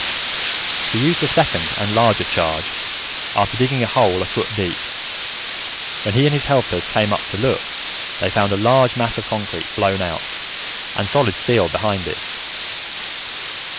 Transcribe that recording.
He used a second and larger charge, after digging a hole a foot deep. When he and his helpers came up to look, they found a large mass of concrete blown out, and solid steel behind it.